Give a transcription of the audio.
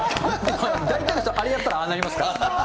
大体の人、あれやったら、ああなりますから。